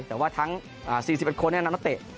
แต่ว่าทั้ง๔๑คนนำนักเตะ